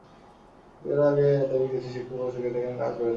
কিন্তু এরও অনেক আগে থেকে কিছু শিক্ষক ও ছাত্র এখানে কাজ করে থাকতে পারে।